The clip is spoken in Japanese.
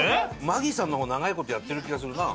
マギーさんの方が長い事やってる気がするな。